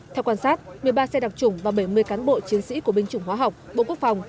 theo quan sát một mươi ba xe đặc trùng và bảy mươi cán bộ chiến sĩ của binh chủng hóa học bộ quốc phòng